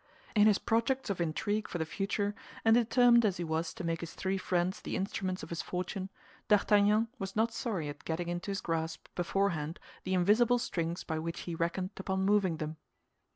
In his projects of intrigue for the future, and determined as he was to make his three friends the instruments of his fortune, D'Artagnan was not sorry at getting into his grasp beforehand the invisible strings by which he reckoned upon moving them.